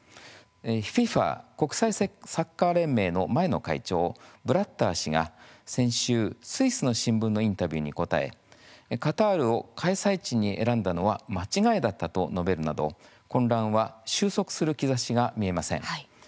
ＦＩＦＡ・国際サッカー連盟の前の会長、ブラッター氏が先週、スイスの新聞のインタビューに答えカタールを開催地に選んだのは間違いだったと述べるなど混乱は収束する兆しが見えません。